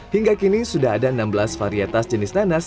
hingga kini sudah ada enam belas varietas jenis nanas